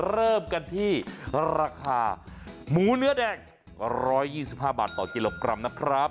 เริ่มกันที่ราคาหมูเนื้อแดง๑๒๕บาทต่อกิโลกรัมนะครับ